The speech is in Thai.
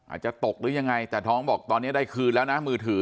อาจจะตกหรือยังไงแต่ท้องบอกตอนนี้ได้คืนแล้วนะมือถือ